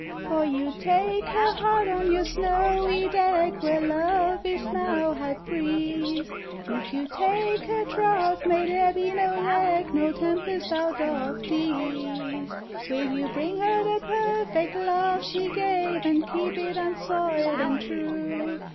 For you take her heart (on your snowy deck) Where Love is now High Priest, And you take her troth may there be no wreck, No tempest out of the East! Will you bring her the perfect love she gave, And keep it unsoiled and true?